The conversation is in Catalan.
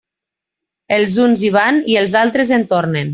Els uns hi van i els altres en tornen.